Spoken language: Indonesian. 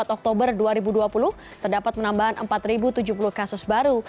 empat oktober dua ribu dua puluh terdapat penambahan empat tujuh puluh kasus baru